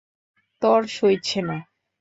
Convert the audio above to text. তর সইছে না।